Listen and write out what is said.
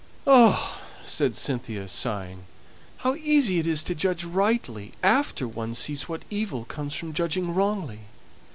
"Ah!" said Cynthia, sighing. "How easy it is to judge rightly after one sees what evil comes from judging wrongly!